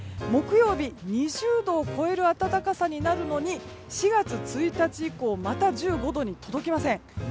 木曜日、２０度を超える暖かさになるのに４月１日以降また１５度に届きません。